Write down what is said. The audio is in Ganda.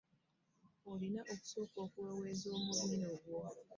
Olina okusooka okuweweeza omumiro gwo.